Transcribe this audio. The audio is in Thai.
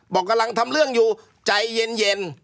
บอกกำลังทำเรื่องอยู่ใจเย็น